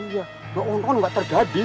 iya kebetulan nggak terjadi